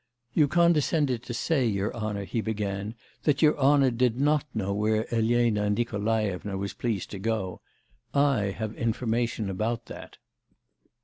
'You condescended to say, your honour,' he began, 'that your honour did not know where Elena Nikolaevna was pleased to go. I have information about that.